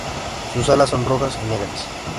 Sus alas son rojas y negras.